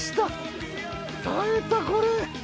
耐えたこれ。